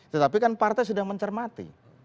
tetapi kan partai sedang mencermati